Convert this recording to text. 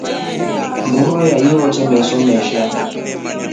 Mburu iya yete meso mesha.